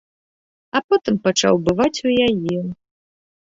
А потым пачаў бываць у яе.